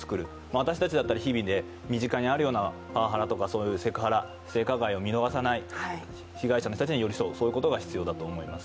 私たちだったら日々身近にあるようなパワハラとかセクハラ、性加害を見逃さない、被害者に寄り添うことが必要だと思います。